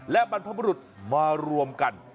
และบรรพบรุษมารวมกัน